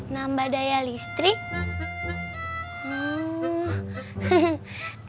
nambah daya listrik